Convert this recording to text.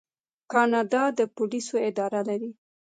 کاناډا د پولیسو اداره لري.